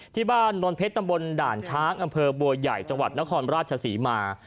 ที่บ้านนวลเพชรตำบลด่านช้างอำเภอบัวใหญ่จังหวัดนครราชศรีมา